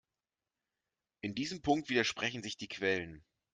In diesem Punkt widersprechen sich die Quellen.